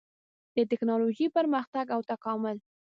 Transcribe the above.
د ټېکنالوجۍ پرمختګ او تکامل